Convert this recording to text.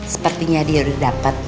sepertinya dia udah dapat